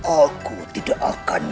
aku tidak akan